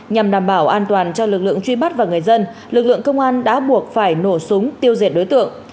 nhằm đảm bảo an toàn cho lực lượng truy bắt và người dân lực lượng công an đã buộc phải nổ súng tiêu diệt đối tượng